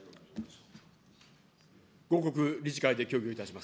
後刻、理事会で協議をいたし